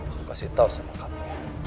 aku kasih tau sama kami